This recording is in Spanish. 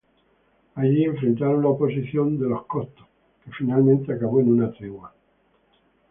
Allí enfrentaron la oposición de los cotos, que finalmente acabó en una tregua.